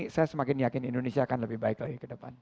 saya semakin yakin indonesia akan lebih baik lagi ke depan